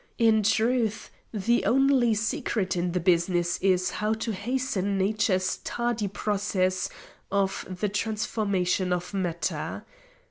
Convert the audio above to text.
In truth, the only secret in the business is how to hasten Nature's tardy process of the transformation of matter.